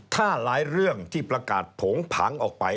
ถ้าหลายเรื่องที่ประกาศโผงผังออกไป